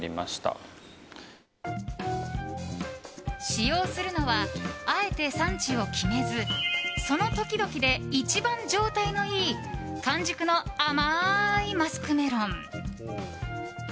使用するのはあえて産地を決めずその時々で一番状態のいい完熟の甘いマスクメロン。